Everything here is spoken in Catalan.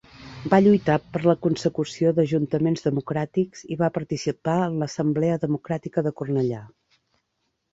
Va lluitar per la consecució d'ajuntaments democràtics i va participar en l'Assemblea Democràtica de Cornellà.